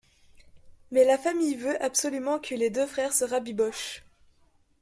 Mais la famille veut absolument que les deux frères se rabibochent.